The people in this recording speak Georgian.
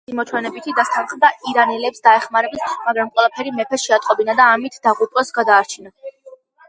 ფარსანსი მოჩვენებითად დასთანხმდა ირანელებს დახმარებას, მაგრამ ყველაფერი მეფეს შეატყობინა და ამით დაღუპვას გადაარჩინა.